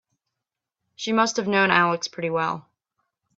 She must have known Alex pretty well.